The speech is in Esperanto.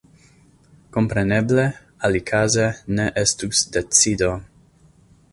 Kompreneble, alikaze ne estus decido.